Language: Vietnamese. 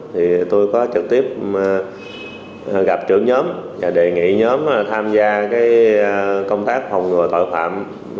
thì tôi có trực tiếp gặp trưởng nhóm và đề nghị nhóm tham gia cái công tác phòng ngừa tội phạm